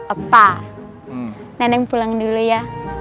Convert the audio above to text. apa neneng pulang dulu ya